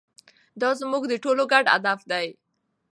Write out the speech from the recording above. دا زموږ د ټولو ګډ هدف دی.